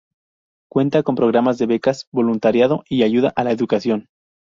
Cuenta con programas de becas, voluntariado y ayuda a la educación.